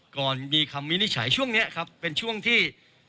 ก่อนมีคำวินิจฉัยช่วงนี้ครับเป็นช่วงที่